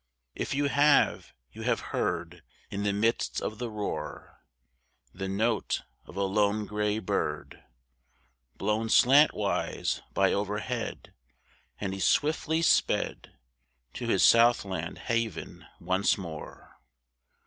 If you have, you have heard In the midst of the roar, The note of a lone gray bird, Blown slantwise by overhead As he swiftly sped To his south land haven once more